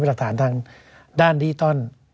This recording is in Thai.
เป็นหลักฐานทางด้านดีต้น